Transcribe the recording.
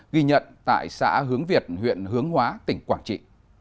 ghi nhận tại xã hướng việt huyện hướng hóa tỉnh quảng trị